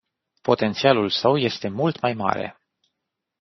Potențialul său este mult mai mare.